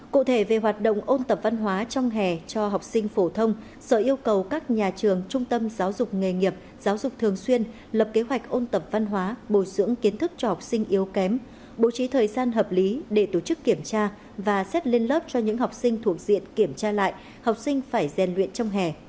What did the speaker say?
cụ thể về hoạt động ôn tập văn hóa trong hè cho học sinh phổ thông sở yêu cầu các nhà trường trung tâm giáo dục nghề nghiệp giáo dục thường xuyên lập kế hoạch ôn tập văn hóa bồi dưỡng kiến thức cho học sinh yếu kém bố trí thời gian hợp lý để tổ chức kiểm tra và xét lên lớp cho những học sinh thuộc diện kiểm tra lại học sinh phải rèn luyện trong hè